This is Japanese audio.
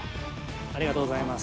ありがとうございます。